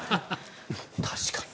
確かに。